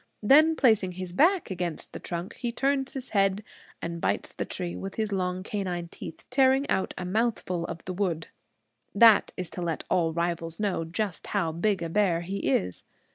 Then placing his back against the trunk, he turns his head and bites into the tree with his long canine teeth, tearing out a mouthful of the wood. That is to let all rivals know just how big a bear he is.